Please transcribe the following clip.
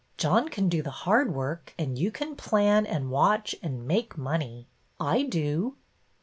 John can do the hard work and you can plan and watch and make money. I do."